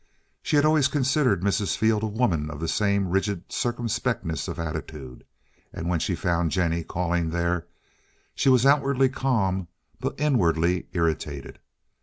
She had always considered Mrs. Field a woman of the same rigid circumspectness of attitude, and when she found Jennie calling there she was outwardly calm but inwardly irritated.